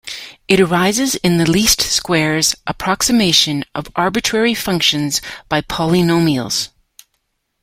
It arises in the least squares approximation of arbitrary functions by polynomials.